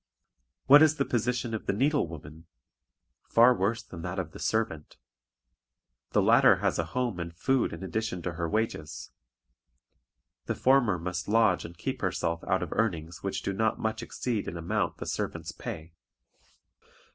What is the position of the needle woman? Far worse than that of the servant. The latter has a home and food in addition to her wages; the former must lodge and keep herself out of earnings which do not much exceed in amount the servant's pay.